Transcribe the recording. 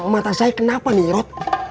mata saya kenapa nih rod